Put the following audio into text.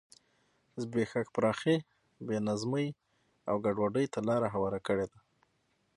زبېښاک پراخې بې نظمۍ او ګډوډۍ ته لار هواره کړې ده.